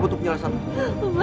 gue bisa jelasin semuanya